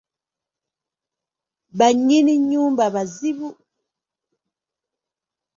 Bannyini nnyumba bazibu.